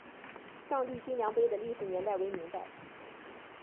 丈地均粮碑的历史年代为明代。